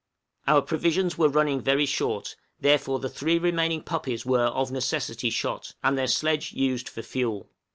Our provisions were running very short, therefore the three remaining puppies were of necessity shot, and their sledge used for fuel.